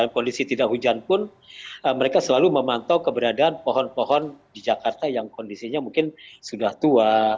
kondisi tidak hujan pun mereka selalu memantau keberadaan pohon pohon di jakarta yang kondisinya mungkin sudah tua